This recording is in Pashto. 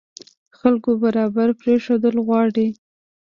خلکو برابر پرېښودل غواړي.